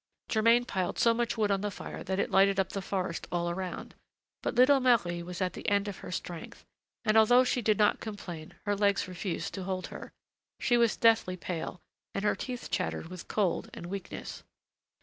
Germain piled so much wood on the fire that it lighted up the forest all around; but little Marie was at the end of her strength, and, although she did not complain, her legs refused to hold her. She was deathly pale, and her teeth chattered with cold and weakness.